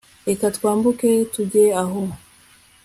reka twambuke tujye aho